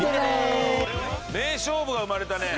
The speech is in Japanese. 名勝負が生まれたね。